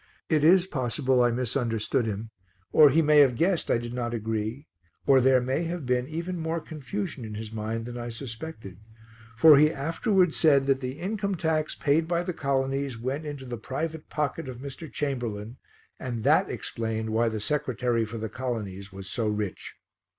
It is possible that I misunderstood him, or he may have guessed I did not agree, or there may have been even more confusion in his mind than I suspected, for he afterwards said that the income tax paid by the colonies went into the private pocket of Mr. Chamberlain, and that explained why the Secretary for the Colonies was so rich.